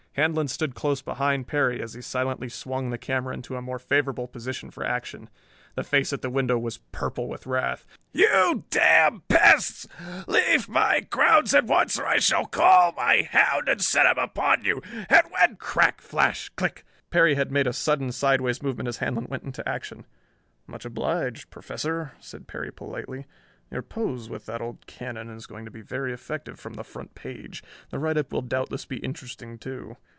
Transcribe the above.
Handlon stood close behind Perry as he silently swung the camera into a more favorable position for action. The face at the window was purple with wrath. "You damned pests! Leave my grounds at once or I shall call my hound and set him upon you. And when "Crack! Flash! Click! Perry had made a sudden sidewise movement as Handlon went into action. "Much obliged, Professor," said Perry politely. "Your pose with that old cannon is going to be very effective from the front page. The write up will doubtless be interesting too.